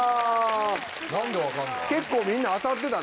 何で分かるんだ？